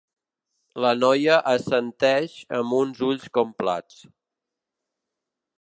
La noia assenteix amb uns ulls com plats.